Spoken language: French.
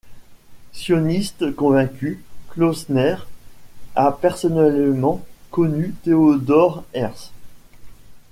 Sioniste convaincu, Klausner a personnellement connu Theodor Herzl.